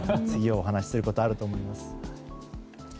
次はお話することはあると思います。